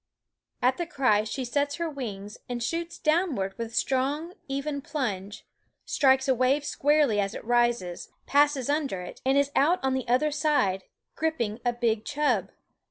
At the cry she sets her wings and shoots downward with strong, even plunge, strikes a wave squarely as it rises, passes under it, and is out on the other side, grip ping a big chub.